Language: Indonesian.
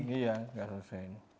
iya enggak selesai ini